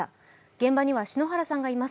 現場には篠原さんがいます。